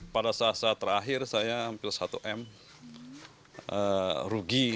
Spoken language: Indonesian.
pada saat saat terakhir saya hampir satu m rugi